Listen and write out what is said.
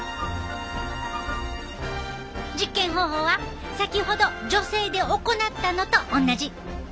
実験方法は先ほど女性で行ったのと同じ。